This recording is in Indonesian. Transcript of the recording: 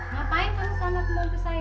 ngapain kamu selalu kemampu saya